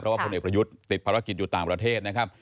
พลเอกประยุทธ์ติดภารกิจอยู่ต่างประเทศนะครับ